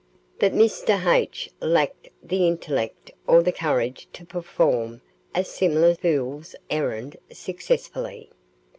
But Mr. H. lacked the intellect or the courage to perform a similar fool's errand successfully.